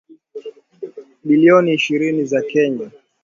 bilioni ishirini za Kenya